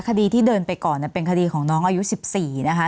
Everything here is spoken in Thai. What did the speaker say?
คดีที่เดินไปก่อนเป็นคดีของน้องอายุ๑๔นะคะ